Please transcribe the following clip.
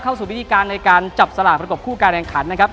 สู่วิธีการในการจับสลากประกบคู่การแข่งขันนะครับ